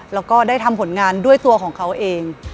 แล้วก็ได้ทำผลงานด้วยตัวของเขาเอง